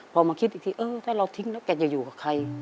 พอมาคิดอีกทีเออถ้าเราทิ้งแล้วแกจะอยู่กับใคร